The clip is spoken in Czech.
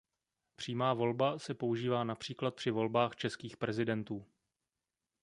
Přímá volba se používá například při volbách českých prezidentů.